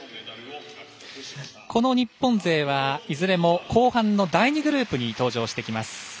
この日本勢はいずれも後半の第２グループに登場してきます。